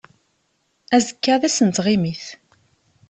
Azekka d ass n tɣimit.